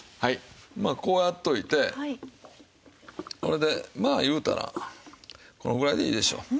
まあこうやっておいてそれでまあいうたらこのぐらいでいいでしょう。